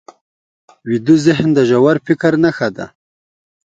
ویده ذهن د ژور فکر نښه ده